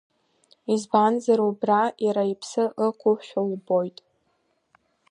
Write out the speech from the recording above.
Избанзар, убра иара иԥсы ықәушәа лбоит.